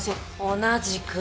同じく。